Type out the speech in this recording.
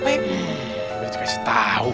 beritahunya tau ya